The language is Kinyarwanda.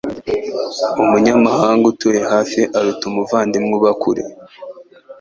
Umunyamahanga utuye hafi aruta umuvandimwe uba kure